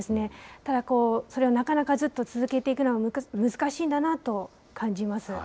ただ、それをなかなかずっと続けていくのは難しいんだなと感じます。